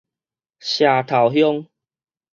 社頭鄉